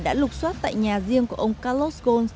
đã lục xoát tại nhà riêng của ông carlos ghosn